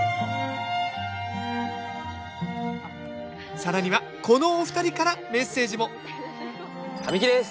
更にはこのお二人からメッセージも神木です！